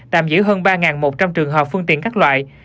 tạm giữ hơn ba một trăm linh trường hợp phương tiện các loại